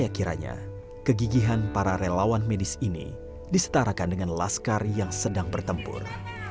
akhirnya kegigihan para relawan medis ini disetarakan dengan laskar yang sedang bertempur